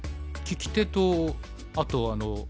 聞き手とあと。